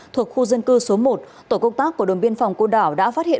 thuộc khu dân cư số một tổ công tác của đồn biên phòng cô đảo đã phát hiện